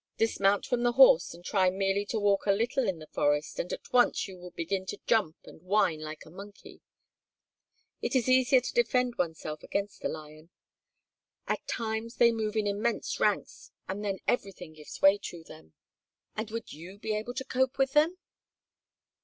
Dismount from the horse and try merely to walk a little in the forest and at once you will begin to jump and whine like a monkey. It is easier to defend one's self against a lion. At times they move in immense ranks and then everything gives way to them." "And would you be able to cope with them?"